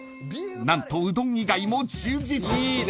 ［何とうどん以外も充実］